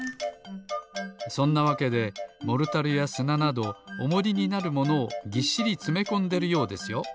そんなわけでモルタルやすななどおもりになるものをぎっしりつめこんでるようですよ。